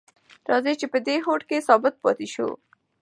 راځئ چې په دې هوډ کې ثابت پاتې شو.